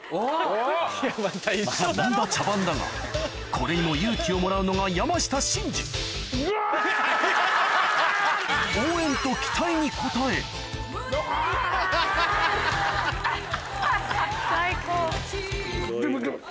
とんだ茶番だがこれにも勇気をもらうのが山下真司応援と期待に応え最高。